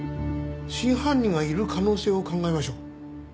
真犯人がいる可能性を考えましょう。